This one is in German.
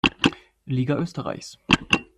Liga Österreichs.